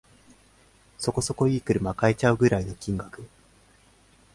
そこそこ良い車買えちゃうくらいの金額